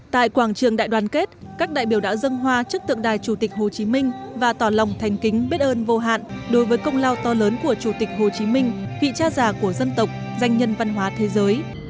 tại quảng trường đại đoàn kết các đại biểu đã dâng hoa chức tượng đài chủ tịch hồ chí minh và tỏ lòng thành kính biết ơn vô hạn đối với công lao to lớn của chủ tịch hồ chí minh vị cha già của dân tộc danh nhân văn hóa thế giới